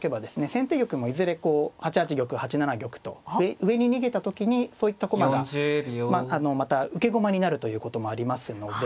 先手玉もいずれこう８八玉８七玉と上に逃げた時にそういった駒がまた受け駒になるということもありますので。